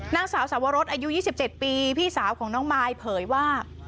นางสาวสวรสอายุ๒๗ปีพี่สาวของน้องมายเผยว่า